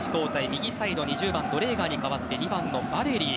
右サイドにドレーガーに代わって２番、ヴァレリー。